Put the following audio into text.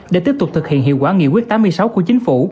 để tiếp tục thực hiện hiệu quả nghị quyết tám mươi sáu của chính phủ